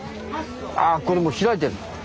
ああこれもう開いてる。